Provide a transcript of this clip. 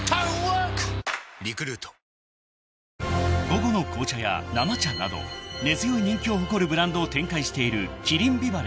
［「午後の紅茶」や「生茶」など根強い人気を誇るブランドを展開している］